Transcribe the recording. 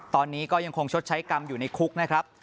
ตอนนี้ก็ยังคงชดใช้กรรมอยู่ในคุกนะครับ